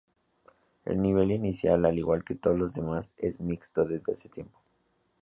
El nivel inicial, al igual que todos los demás, es mixto desde hace tiempo.